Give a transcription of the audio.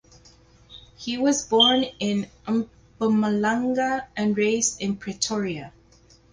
He was born in Mpumalanga and raised in Pretoria.